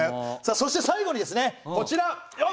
そして最後にですねこちら。